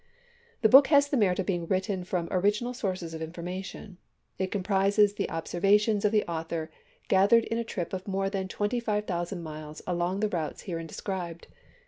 The book has the merit of being written from original sources of information. It comprises the observations of the author gathered in a trip of more than twenty five thousand miles along the routes herein described.